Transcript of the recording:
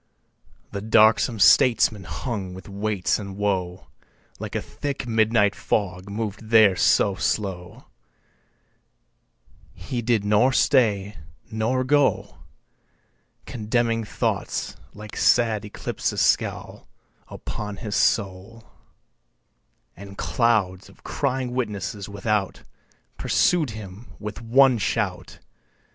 2. The darksome statesman hung with weights and woe Like a thick midnight fog mov'd there so slow He did nor stay, nor go; Condemning thoughts (like sad eclipses) scowl Upon his soul, And clouds of crying witnesses without Pursued him with one shout.